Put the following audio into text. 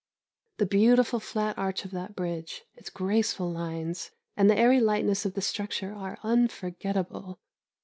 The beautiful flat arch of that bridge, its graceful lines, and the airy lightness of the structure are unforgetable.